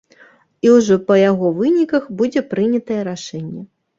І ўжо па яго выніках будзе прынятае рашэнне.